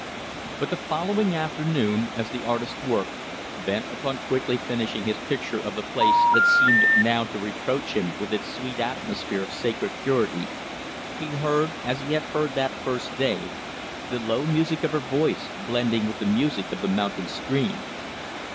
But the following afternoon, as the artist worked, bent upon quickly finishing his picture of the place that seemed now to reproach him with its sweet atmosphere of sacred purity, he heard, as he had heard that first day, the low music of her voice blending with the music of the mountain stream.